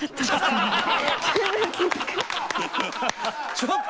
ちょっと！